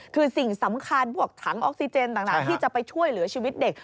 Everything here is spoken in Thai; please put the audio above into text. คือสิ่งสำคัญพวกถังออกซิเจนต่างที่จะไปช่วยเหลือชีวิตเด็ก